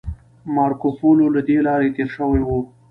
مارکوپولو له دې لارې تیر شوی و